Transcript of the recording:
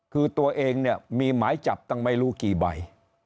คือตัวเองเนี่ยมีหมายจับตั้งไม่รู้กี่ใบ